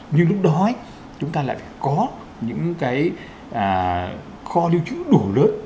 nhưng lúc đó chúng ta lại phải có những cái kho lưu trữ đủ lớn